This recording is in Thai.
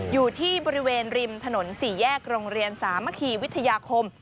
อยู่ที่บริเวณริมถนน๔แยกโรงเรียนสามัคคีวิทยาคม